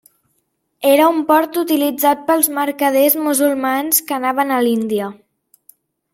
Era un port utilitzat pels mercaders musulmans que anaven a l'Índia.